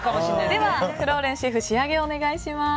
では、フローレンスシェフ仕上げをお願いします。